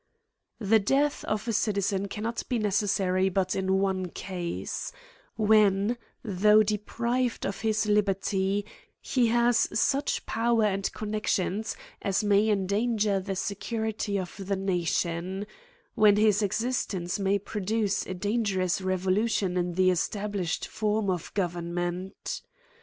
Tlue death of a citizen cannot be necessary but in one case : when, though deprived of his liber ty, he has such povver and connections as may endanger the security of the nation ; when his existence may produce a dangerous revolution in the established form of government.